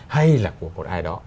hay là của một ai đó